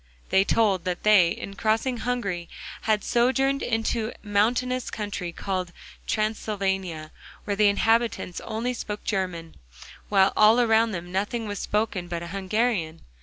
They told that they, in crossing Hungary, had sojourned in a mountainous country called Transylvania, where the inhabitants only spoke German, while all around them nothing was spoken but Hungarian.